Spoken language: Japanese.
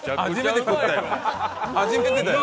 初めてだよ！